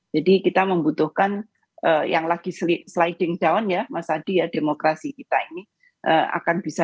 jadi kita membutuhkan yang lagi selip sliding down ya mas adi ya demokrasi kita ini akan bisa